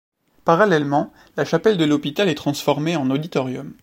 Parallèlement, la chapelle de l'hôpital est transformée en auditorium.